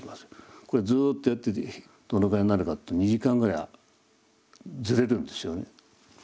これずっとやっててどのぐらいになるかって２時間ぐらいずれるんですよね。